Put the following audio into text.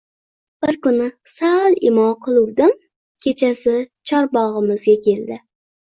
Bir kuni sal imo qiluvdim, kechasi chorbogʼimizga keldi.